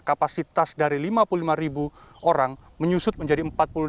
kapasitas dari lima puluh lima ribu orang menyusut menjadi empat puluh lima